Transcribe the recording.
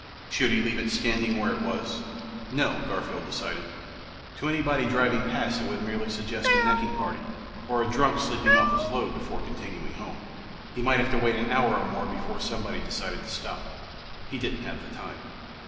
Should he leave it standing where it was? No, Garfield decided. To anybody driving past it would merely suggest a necking party, or a drunk sleeping off his load before continuing home. He might have to wait an hour or more before someone decided to stop. He didn't have the time.